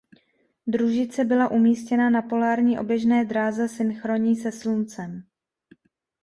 Družice byla umístěna na polární oběžné dráze synchronní se sluncem.